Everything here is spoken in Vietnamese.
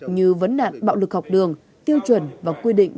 như vấn đạn bạo lực học đường tiêu chuẩn và quy định